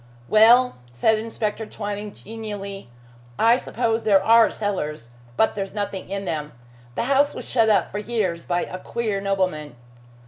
"Well," said Inspector Twining genially, "I suppose there are cellars, but there's nothing in them. The house was shut up for years by a queer nobleman."